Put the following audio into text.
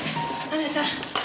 あなた！